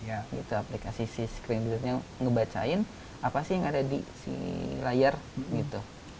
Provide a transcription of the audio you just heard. aplikasi si screen reader nya ngebacain apa sih yang ada di si layar gitu